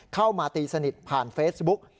เข้ามาตีสนิทผ่านเฟซบุ๊ก